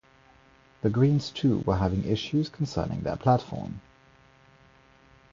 The Greens too were having issues concerning their platform.